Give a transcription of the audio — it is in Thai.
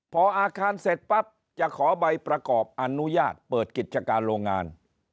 พออาคารเสร็จปั๊บจะขอใบประกอบอนุญาตเปิดกิจการโรงงาน